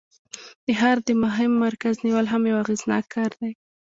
د ښار د مهم مرکز نیول هم یو اغیزناک کار دی.